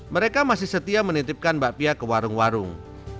mereka masih setia menitipkan bakpia ke warung warung